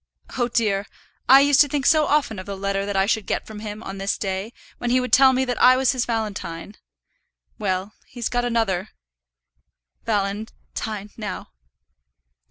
Oh, dear, I used to think so often of the letter that I should get from him on this day, when he would tell me that I was his valentine. Well; he's got another valen tine now."